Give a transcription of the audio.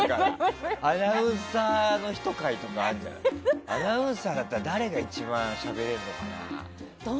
アナウンサーの人回とかアナウンサーだったら誰が一番しゃべれるのかな。